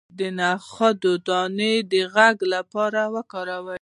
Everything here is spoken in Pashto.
د نخود دانه د غږ لپاره وکاروئ